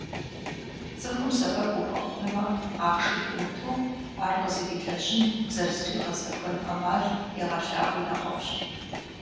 Цӏыхум сэбэп ухуэхъунумэ, ахъшэ йумыту, ар къызэрилэжьын, зэрызригъэзэхуэн ӏэмал егъэлъагъуи нэхъыфӏщ.